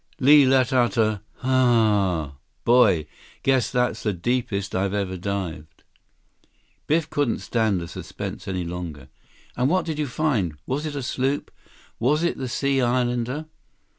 Li let out a "H a a a a a. Boy! Guess that's the deepest I've ever dived." Biff couldn't stand the suspense any longer. "And what did you find? Was it a sloop? Was it the Sea Islander?"